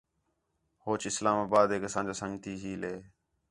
ہوچ اسلام آبادیک اَساں جا سنڳتی ہیل ہے